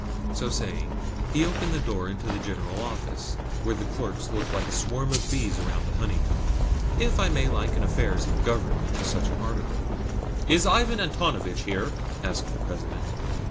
So saying, he opened the door into the general office, where the clerks looked like a swarm of bees around a honeycomb (if I may liken affairs of Government to such an article?). "Is Ivan Antonovitch here?" asked the President.